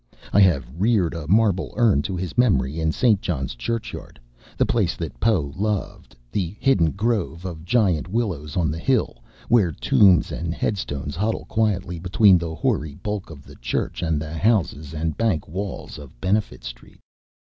I have reared a marble urn to his memory in St. John's churchyard the place that Poe loved the hidden grove of giant willows on the hill, where tombs and headstones huddle quietly between the hoary bulk of the church and the houses and bank walls of Benefit Street.